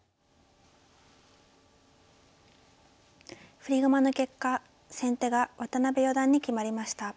振り駒の結果先手が渡辺四段に決まりました。